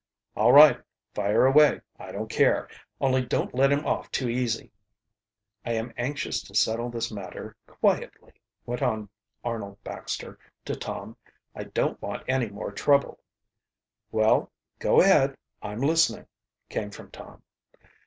"All right, fire away, I don't care. Only don't let him off too easy." "I am anxious to settle this matter quietly," went on Arnold Baxter to Tom. "I don't want any more trouble." "Well, go ahead, I'm listening," came from Tom.